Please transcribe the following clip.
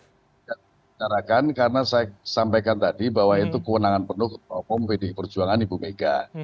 tidak bicarakan karena saya sampaikan tadi bahwa itu kewenangan penuh ketua umum pdi perjuangan ibu mega